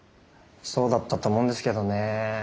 そうだったと思うんですけどね。